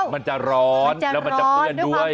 มันจะร้อนแล้วมันจะเปื้อนด้วย